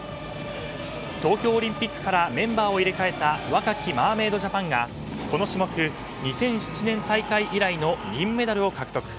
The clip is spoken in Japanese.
東京オリンピックからメンバーを入れ替えた若きマーメイドジャパンがこの種目２００７年大会以来の銀メダルを獲得。